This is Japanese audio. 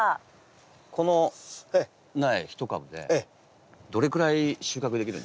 この苗１株でどれくらい収穫できるんですか？